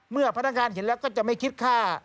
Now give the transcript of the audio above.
พนักงานเห็นแล้วก็จะไม่คิดค่า